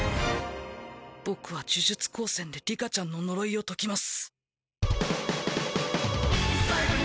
僕は呪術高専で里香ちゃんの呪いを解きます。